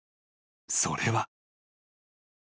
それは］